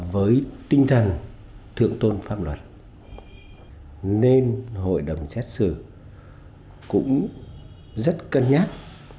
với tinh thần thượng tôn pháp luật nên hội đồng xét xử cũng rất cân nhắc